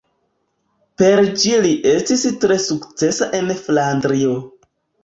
Per ĝi li estis tre sukcesa en Flandrio.